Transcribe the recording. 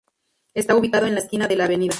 Está ubicado en la esquina de la Av.